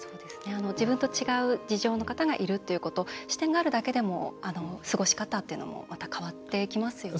自分と違う事情の人がいるということ視点があるだけでも過ごし方っていうのもまた変わってきますよね。